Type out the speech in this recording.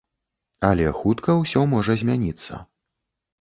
Але хутка ўсё можа змяніцца.